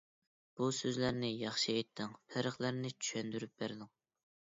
بۇ سۆزلەرنى ياخشى ئېيتتىڭ. پەرقلەرنى چۈشەندۈرۈپ بەردىڭ.